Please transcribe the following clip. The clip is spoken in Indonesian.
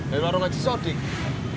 example merah dengan jama letters lades